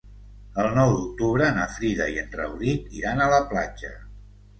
El nou d'octubre na Frida i en Rauric iran a la platja.